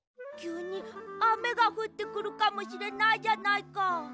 きゅうにあめがふってくるかもしれないじゃないか。